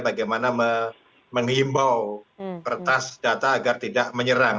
bagaimana menghimbau kertas data agar tidak menyerang